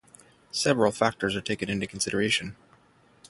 Several factors are taken into consideration.